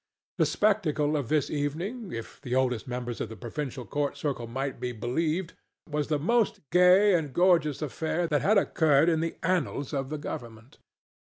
The spectacle of this evening, if the oldest members of the provincial court circle might be believed, was the most gay and gorgeous affair that had occurred in the annals of the government.